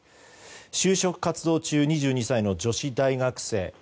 就職活動中２２歳の女子大学生。